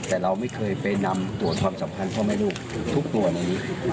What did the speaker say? แต่เราไม่เคยไปนำตรวจความสัมพันธ์พ่อแม่ลูกทุกตัวในนี้